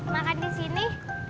makan di sini